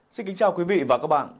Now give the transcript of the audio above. xin kính chào quý vị và các bạn